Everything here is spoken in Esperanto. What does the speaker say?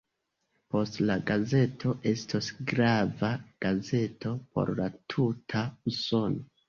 Poste la gazeto estos grava gazeto por la tuta Usono.